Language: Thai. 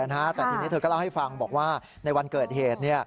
แต่ทีนี้เธอก็เล่าให้ฟังบอกว่าในวันเกิดเหตุ